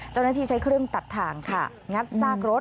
เจ้าหน้าที่ใช้เครื่องตัดทางค่ะงัดซากรถ